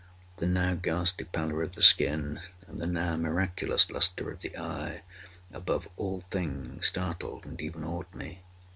The now ghastly pallor of the skin, and the now miraculous lustre of the eye, above all things startled and even awed me.